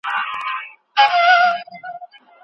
پي پي پي ناروغي په ځینو مېرمنو کې بیا تکرارېږي.